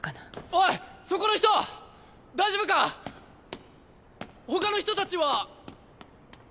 おいそこの人大丈夫か⁉ほかの人たちは。